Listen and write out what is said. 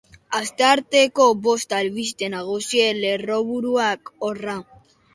Astearteko bost albiste nagusien lerroburuak, horra.